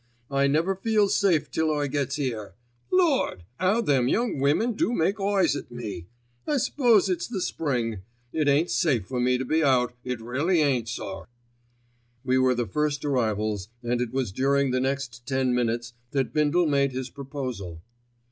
I never feels safe till I gets 'ere. Lord! 'ow them young women do make eyes at me. I s'pose it's the Spring. It ain't safe for me to be out, it ain't really, sir." We were the first arrivals, and it was during the next ten minutes that Bindle made his proposal.